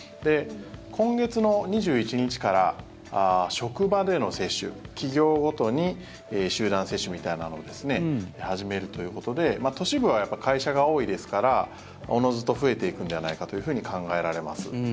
今月の２１日から職場での接種企業ごとに集団接種みたいなのを始めるということで都市部は会社が多いですからおのずと増えていくんではないかというふうに考えられます。